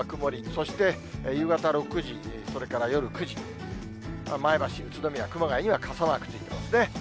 そして夕方６時、それから夜９時、前橋、宇都宮、熊谷には傘マークついてますね。